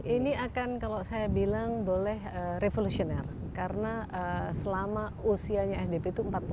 ini akan kalau saya bilang boleh revolusioner karena selama usianya sdp itu empat belas